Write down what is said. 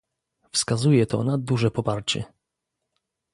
Wskazuje to na duże poparcie